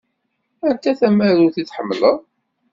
Anta tamarut i tḥemmleḍ?